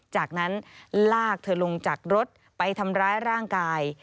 จากนั้นลากเธอลงจากรถไปทำร้ายร่างกาย